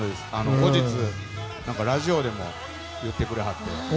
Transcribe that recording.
後日、ラジオでも言ってくれはって。